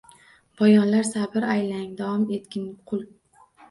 — Boyonlar, sabr aylang… davom etgin, qul!